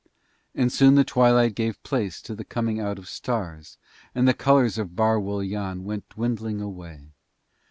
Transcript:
And soon the twilight gave place to the coming out of stars, and the colours of Bar Wul Yann went dwindling away.